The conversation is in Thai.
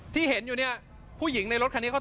เธออย่าไปใกล้มันนาน